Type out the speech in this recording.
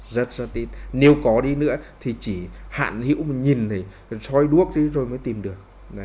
rất rất ít nếu có đi nữa thì chỉ hạn hữu nhìn này xói đuốc đi rồi mới tìm được